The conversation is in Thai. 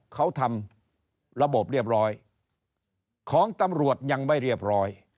เขาทำระบบเรียบร้อยของตำรวจยังไม่เรียบร้อย